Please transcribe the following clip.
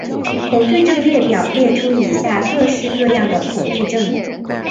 恐惧症列表列出以下各式各样的恐惧症。